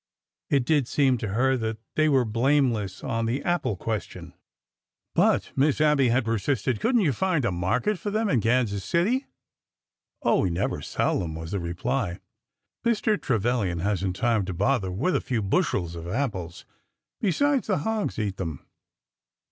'' It did seem to her that they were blameless on the apple question. But Miss Abby had persisted. '' Could n't you find a market for them in Kansas City ?"" Oh, we never sell them," was the reply. Mr. Tre vilian has n't time to bother with a few bushels of apples. Besides, the hogs eat them."